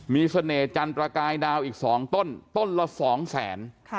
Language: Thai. มีเสน่ห์จันทร์ประกายดาวอีกสองต้นต้นละสองแสน